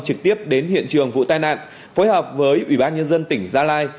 trực tiếp đến hiện trường vụ tai nạn phối hợp với ủy ban nhân dân tỉnh gia lai